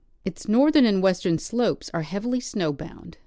Its northern and western slopes are heavily snow bound.